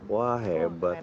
wah hebat nih